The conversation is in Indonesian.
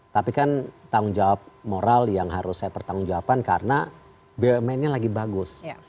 tapi kan tanggung jawab moral yang harus saya pertanggung jawaban karena bumn nya lagi bagus